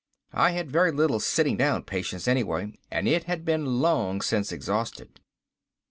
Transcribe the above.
I had very little sitting down patience anyway, and it had been long since exhausted.